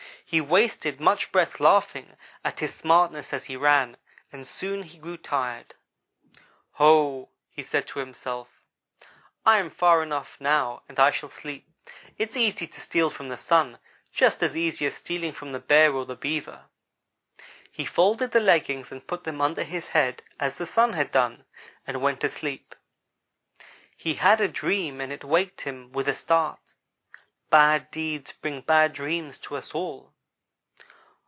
He wasted much breath laughing at his smartness as he ran, and soon he grew tired. "'Ho!' he said to himself, 'I am far enough now and I shall sleep. It's easy to steal from the Sun just as easy as stealing from the Bear or the Beaver.' "He folded the leggings and put them under his head as the Sun had done, and went to sleep. He had a dream and it waked him with a start. Bad deeds bring bad dreams to us all.